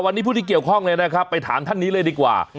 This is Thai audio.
วันนี้ผู้ที่เกี่ยวข้องเลยนะครับไปถามท่านนี้เลยดีกว่า